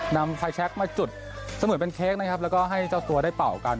นำไฟแชคมาจุดเสมือนเป็นเค้กนะครับแล้วก็ให้เจ้าตัวได้เป่ากัน